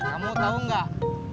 kamu tahu gak